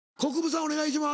お願いします。